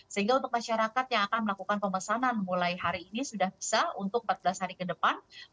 sehingga untuk masyarakat yang akan melakukan pemesanan mulai hari ini sudah bisa untuk empat belas hari ke depan